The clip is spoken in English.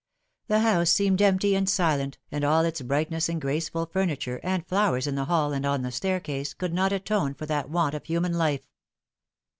The house seemed empty and silent, and all its brightness and graceful furniture, and flowers in the hall and on the staircase, could not atone for that want of human life.